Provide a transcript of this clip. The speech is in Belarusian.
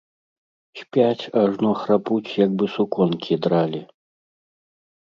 Спяць, ажно храпуць, як бы суконкі дралі.